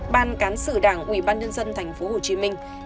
ban cán sử đảng ủy ban nhân dân tp hồ chí minh